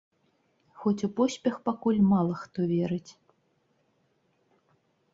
Хоць у поспех пакуль мала хто верыць.